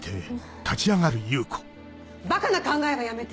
ばかな考えはやめて。